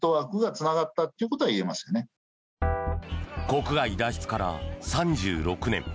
国外脱出から３６年。